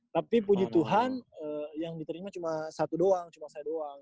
tapi puji tuhan yang diterima cuma satu doang cuma saya doang